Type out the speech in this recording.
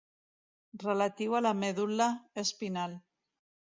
Relatiu a la medul·la espinal.